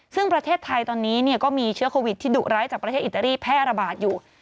ซึ่งประเทศไทยตอนนี้ก็มีเชื้อโควิดที่ดุร้ายจากประเทศอิตาลีแพร่ระบาดอยู่